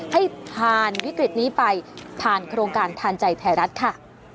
ให้ผ่านวิกฤตนี้ไปผ่านโครงการทานใจไทยรัฐค่ะ